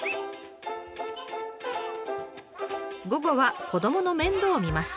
午後は子どもの面倒を見ます。